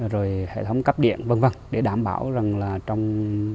rồi hệ thống cấp điện v v để đảm bảo rằng là trong